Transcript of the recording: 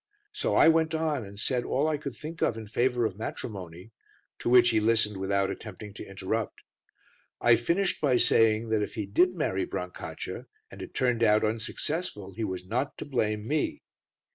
So I went on and said all I could think of in favour of matrimony, to which he listened without attempting to interrupt. I finished by saying that if he did marry Brancaccia and it turned out unsuccessful he was not to blame me.